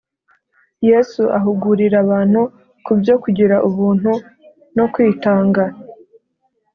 Yesu ahugurira abantu kubyo kugira ubuntu no kwitanga